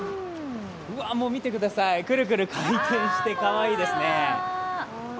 もう見てください、くるくる回転してかわいいですね。